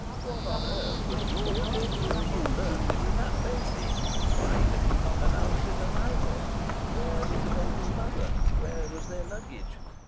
What on earth was George Peel doing in Bursley with that baby? Why had he not announced his arrival? Where was the baby's mother? Where was their luggage?